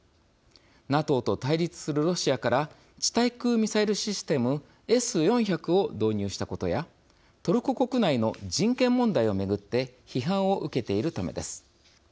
ＮＡＴＯと対立するロシアから地対空ミサイルシステムＳ−４００を導入したことやトルコ国内の人権問題を巡って批判を受けているためです。